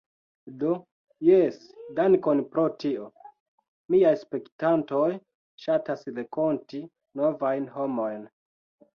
Do, jes dankon pro tio. Miaj spektantoj ŝatas renkonti novajn homojn